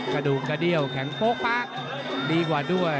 กระดูกกระเดี้ยวแข็งโป๊ปั๊กดีกว่าด้วย